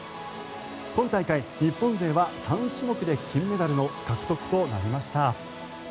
今大会日本勢は３種目で金メダルを獲得となりました。